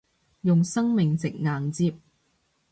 用生命值硬接